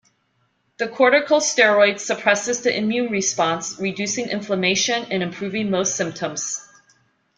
The corticosteroid suppresses the immune response, reducing inflammation and improving most symptoms.